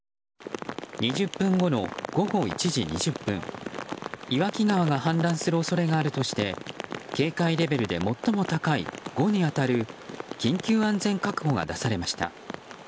２０分後の午後１時２０分岩木川が氾濫する恐れがあるとして警戒レベルで最も高い５に当たる緊急安全確保が出されました。